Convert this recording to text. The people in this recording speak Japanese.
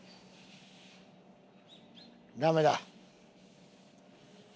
ダメだ。